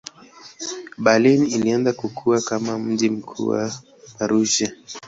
Berlin ilianza kukua kama mji mkuu wa Prussia.